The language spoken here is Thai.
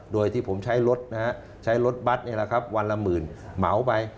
โดยที่ผมใช้รถนะฮะใช้รถบัตรนี่แหละครับวันละหมื่นเหมาไป